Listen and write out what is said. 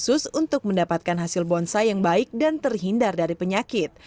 dan khusus untuk mendapatkan hasil bonsai yang baik dan terhindar dari penyakit